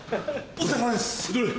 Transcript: お疲れさまです。